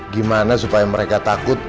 gimana supaya mereka takut